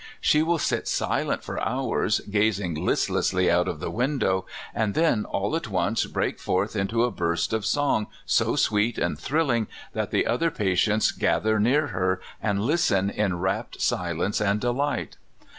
"She will sit silent for hours, gazing listlessly out of the window, and then all at once break forth into a burst of song so sweet and thrilling that the other patients gather near her and listen in rapt silence and delight.